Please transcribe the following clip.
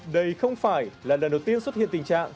đây không phải là lần đầu tiên xuất hiện tình trạng